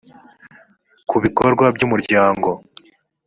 ku bikorwa by umuryango